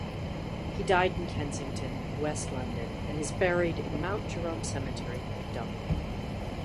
He died in Kensington, west London and is buried in Mount Jerome Cemetery, Dublin.